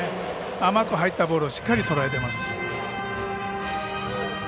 甘く入ってきたボールをしっかり捉えています。